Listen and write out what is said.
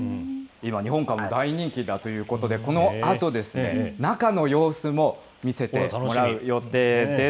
今、日本館も大人気だということで、このあと、中の様子も見せてもらう予定です。